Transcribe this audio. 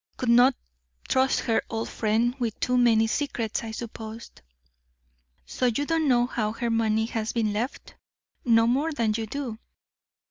Could not trust her old friend with too many secrets, I suppose." "So you don't know how her money has been left?" "No more than you do."